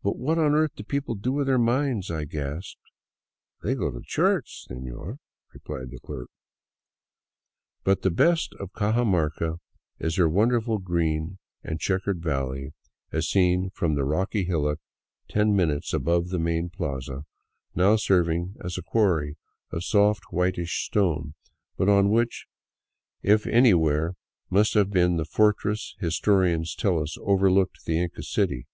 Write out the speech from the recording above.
" But what on earth do people do with their minds ?" I gasped. " They go to church, senor," replied the clerk. But the best of Cajamarca is her wonderful green and checkered valley, as seen from the rocky hillock ten minutes above the main plaza, now serving as a quarry of soft, whitish stone, but on which, if any where, must have been the fortress historians tell us overlooked the Inca city.